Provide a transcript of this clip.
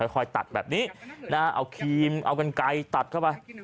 ค่อยตัดแบบนี้เอาครีมเอากันไกลตัดเข้าไป